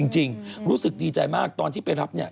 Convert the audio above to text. จริงรู้สึกดีใจมากตอนที่ไปรับเนี่ย